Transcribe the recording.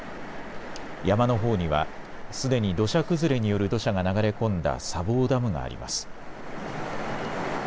山のほうには、すでに土砂崩れによる土砂が流れ込んだ砂防ダムがあります。